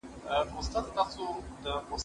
زه ښوونځی ته نه ځم،